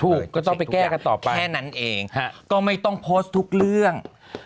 ก็ต้องไปแก้กันต่อไปแค่นั้นเองก็ไม่ต้องโพสต์ทุกเรื่อง